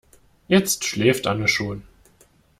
Jetzt schläft Anne schon.